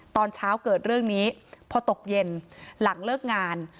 ตอนเช้าเกิดเรื่องนี้พอตกเย็นหลังเลิกงาน